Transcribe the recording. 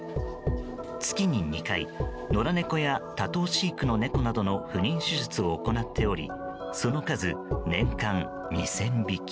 月に２回野良猫や多頭飼育の猫などの不妊手術を行っておりその数、年間２０００匹。